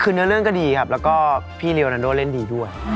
คือเนื้อเรื่องก็ดีครับแล้วก็พี่เรียวนานโดเล่นดีด้วย